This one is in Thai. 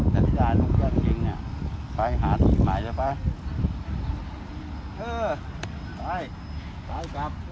แต่ไม่ได้ลูกเจ้าจริงน่ะไปหาที่ใหม่แล้วไป